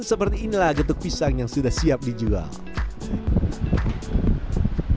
dan seperti inilah getuk pisang yang sudah siap dijual